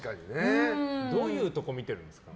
どういうとこ見てるんですか？